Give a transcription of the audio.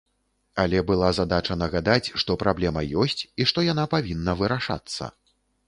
Але была задача нагадаць, што праблема ёсць, і што яна павінна вырашацца.